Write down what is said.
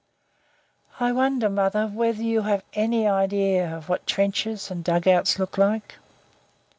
"I wonder, mother, whether you have any idea of what trenches and dug outs look like."